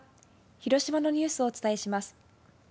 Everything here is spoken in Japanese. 広島のニュースをお伝えします。